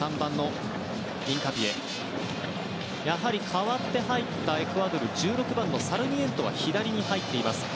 代わって入ったエクアドル１６番のサルミエントは左に入っています。